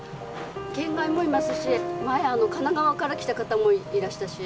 県外もいますし前神奈川から来た方もいらしたし。